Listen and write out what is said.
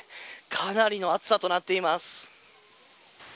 かなりの暑さとなっています。